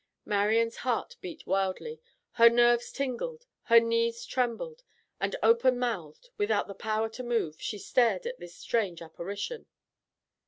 Marian's heart beat wildly. Her nerves tingled, her knees trembled, and open mouthed, without the power to move, she stared at this strange apparition.